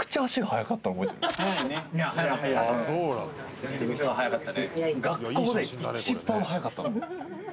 学校で一番速かった。